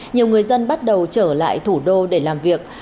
nhiều người dân bắt đầu trở lại thủ đô để làm việc